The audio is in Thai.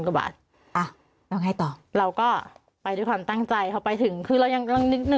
กว่าบาทอ่ะแล้วไงต่อเราก็ไปด้วยความตั้งใจพอไปถึงคือเรายังกำลังนึก